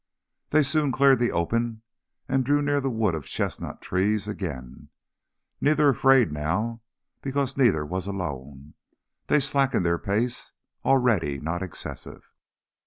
They soon cleared the open, and drew near the wood of chestnut trees again neither afraid now because neither was alone. They slackened their pace, already not excessive.